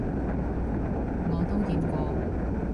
我都見過